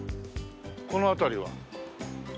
この辺りは。